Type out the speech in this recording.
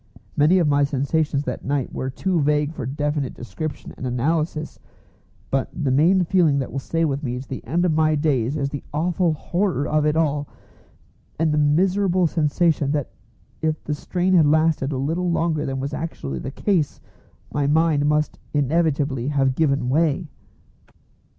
Many of my sensations that night were too vague for definite description and analysis, but the main feeling that will stay with me to the end of my days is the awful horror of it all, and the miserable sensation that if the strain had lasted a little longer than was actually the case my mind must inevitably have given way.